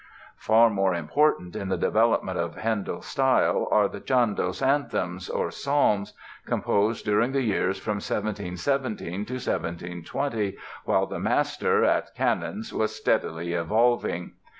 Far more important in the development of Handel's style are the "Chandos Anthems" (or Psalms), composed during the years from 1717 to 1720 while the master, at Cannons, was steadily evolving.